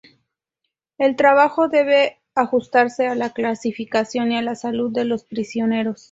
El trabajo debe ajustarse a la clasificación y a la salud de los prisioneros.